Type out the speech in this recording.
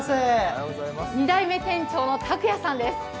２代目店長の拓也さんです。